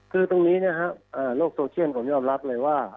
คือตรงนี้นะครับโลกโซเชียลผมยอมรับเลยว่า